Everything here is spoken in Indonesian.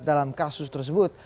dalam kasus tersebut